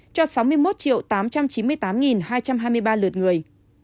cho sáu mươi một tám trăm chín mươi tám hai trăm hai mươi ba lượt người